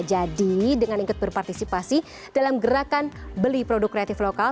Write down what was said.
jadi dengan ikut berpartisipasi dalam gerakan beli produk kreatif lokal